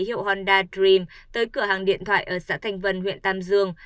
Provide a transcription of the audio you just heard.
hiệu honda dream tới cửa hàng điện thoại ở xã thanh vân huyện tam dương